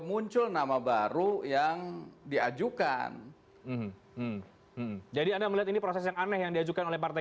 muncul nama baru yang diajukan jadi anda melihat ini proses yang aneh yang diajukan oleh partai